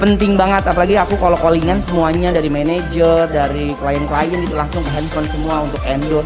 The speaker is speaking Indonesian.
penting banget apalagi aku kalau calling an semuanya dari manajer dari klien klien itu langsung ke handphone semua untuk endorse